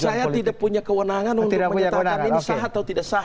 saya tidak punya kewenangan untuk menyatakan ini sah atau tidak sah